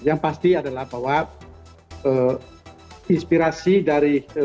yang pasti adalah bahwa inspirasi dari